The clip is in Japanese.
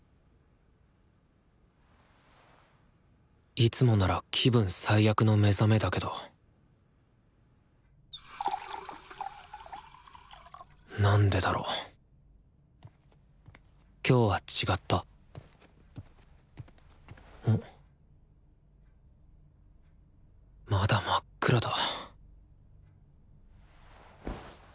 いつもなら気分最悪の目覚めだけどなんでだろ今日は違ったまだ真っ暗だ